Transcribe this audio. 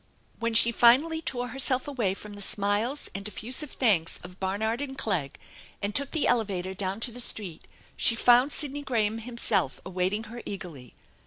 When she finally tore herself away from the smiles and effusive thanks of Barnard and Clegg and took the elevator down to the street she found Sidney Graham himself awaiting her eagerly.